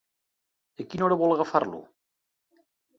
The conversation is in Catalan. A quina hora vol agafar-lo?